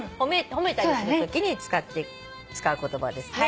褒めたりするときに使う言葉ですね。